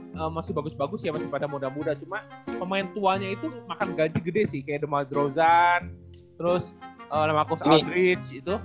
maka masih bagus bagus ya masih pada muda muda cuman pemain tuanya itu makan gaji gede sih kayak demar drauzan terus lemakos aldridge gitu